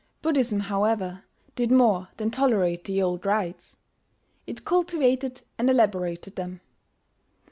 Buddhism, however, did more than tolerate the old rites. It cultivated and elaborated them.